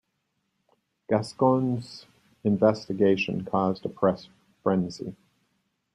Gascoyne's investigation caused a press frenzy.